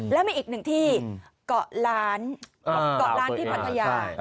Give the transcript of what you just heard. และมีอีกหนึ่งที่เกาะล้านที่พันธญา